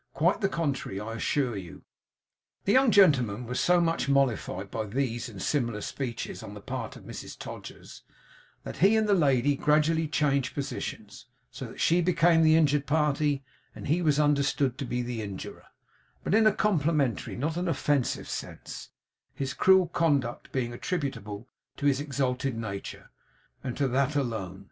Quite the contrary, I assure you.' The young gentleman was so much mollified by these and similar speeches on the part of Mrs Todgers, that he and that lady gradually changed positions; so that she became the injured party, and he was understood to be the injurer; but in a complimentary, not in an offensive sense; his cruel conduct being attributable to his exalted nature, and to that alone.